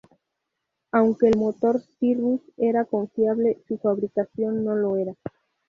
Aunque el motor Cirrus era confiable, su fabricación no lo era.